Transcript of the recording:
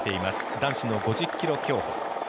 男子の５０ｋｍ競歩。